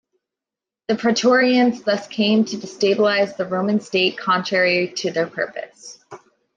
The praetorians thus came to destabilize the Roman state, contrary to their purpose.